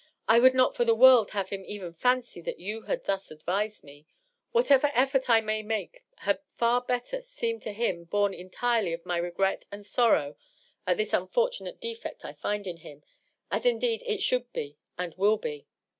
" I would not for the world have him even fancy that you had thus advised me. Whatever effort I may make had far better seem to him born entirely of my regret and sorrow at this unfortunate defect I find in him — as indeed it snould be and will be."